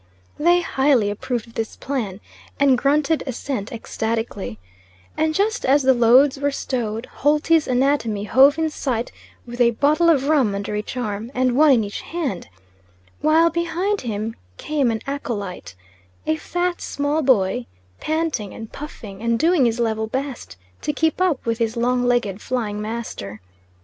They highly approved of this plan, and grunted assent ecstatically; and just as the loads were stowed Holty's anatomy hove in sight with a bottle of rum under each arm, and one in each hand; while behind him came an acolyte, a fat, small boy, panting and puffing and doing his level best to keep up with his long legged flying master.